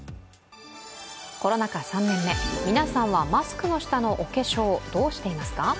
コロナ禍３年目皆さんはマスクの下のお化粧どうしていますか？